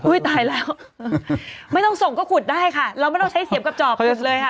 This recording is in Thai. ตายแล้วไม่ต้องส่งก็ขุดได้ค่ะเราไม่ต้องใช้เสียมกับจอบขุดเลยค่ะ